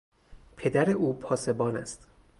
پدر او پاسبان است.